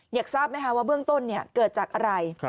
อยากทราบไหมคะว่าเบื้องต้นเกิดจากอะไร